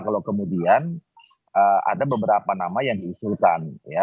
kalau kemudian ada beberapa nama yang diusulkan